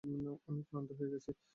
আমি ক্লান্ত হয়ে গেছি।